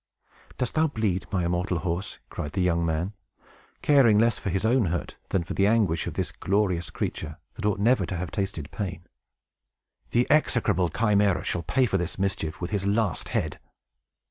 "Dost thou bleed, my immortal horse?" cried the young man, caring less for his own hurt than for the anguish of this glorious creature, that ought never to have tasted pain. "The execrable Chimæra shall pay for this mischief with his last head!"